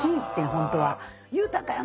ほんとは。